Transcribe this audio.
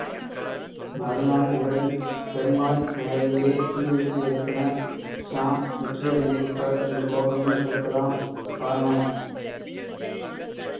மறுநாள் இரவில் பெர்மாய் நகரையே தீவைத்து எரித்தனர் ஸியாம் வெற்றியடைந்து விட்டார் என்ற கோபமே இதற்கெல்லாம் காரணம்.